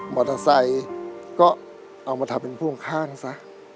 มอเตอร์ไซค์ก็เอามาทำเป็นพ่วงข้างซะ